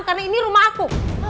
karena ini rumah aku